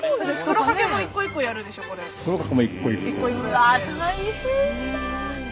うわっ大変だ。